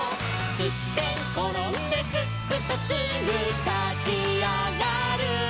「すってんころんですっくとすぐたちあがる」